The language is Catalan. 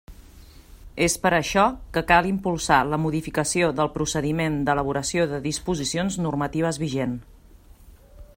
És per això que cal impulsar la modificació del procediment d'elaboració de disposicions normatives vigent.